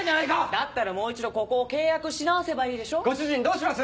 だったらもう一度ここを契約し直せばいいでしょ？ご主人どうします？